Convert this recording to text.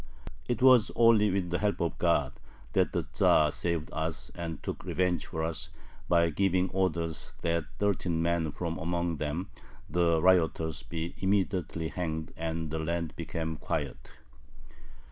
It was only with the help of God that the Tzar saved us, and took revenge for us, by giving orders that thirteen men from among them [the rioters] be immediately hanged, and the land became quiet.